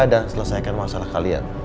dan selesaikan masalah kalian